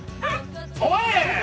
おい！